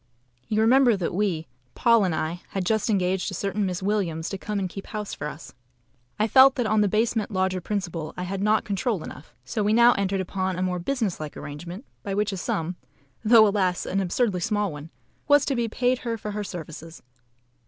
You remember that we (Paul and I) had just engaged a certain Miss Williams to come and keep house for us. I felt that on the basement lodger principle I had not control enough; so we now entered upon a more business like arrangement, by which a sum (though, alas! an absurdly small one) was to be paid her for her services.